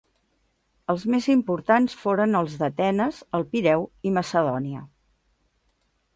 Els més importants foren els d'Atenes, El Pireu i Macedònia.